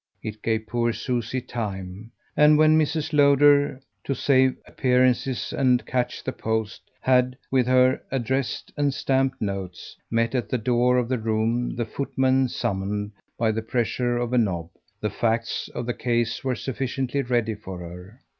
It gave poor Susie time; and when Mrs. Lowder, to save appearances and catch the post, had, with her addressed and stamped notes, met at the door of the room the footman summoned by the pressure of a knob, the facts of the case were sufficiently ready for her.